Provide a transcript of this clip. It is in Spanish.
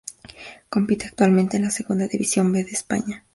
Compite actualmente en la Segunda División B de España.